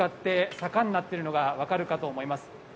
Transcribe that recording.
私の奥に向かって坂になっているのがわかるかと思います。